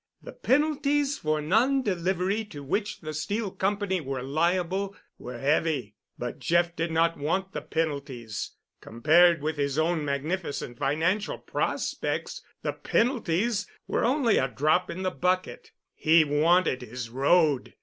The penalties for non delivery to which the steel company were liable were heavy, but Jeff did not want the penalties. Compared with his own magnificent financial prospects, the penalties were only a drop in the bucket. He wanted his road.